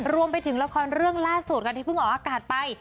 รวมไปถึงละครเรื่องล่าสุดค่ะที่เพิ่งออกอากาศไป